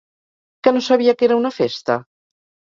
Que no sabia que era una festa?